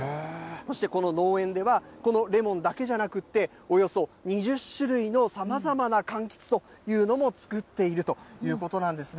そして、この農園では、このレモンだけじゃなくって、およそ２０種類のさまざまなかんきつというのも作っているということなんですね。